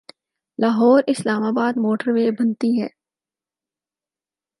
Lahore Islamabad motorway بنتی ہے۔